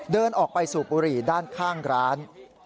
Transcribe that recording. เดินออกไปสูบบุหรี่ด้านข้างร้าน